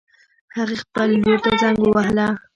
هغې خپل لور ته زنګ ووهله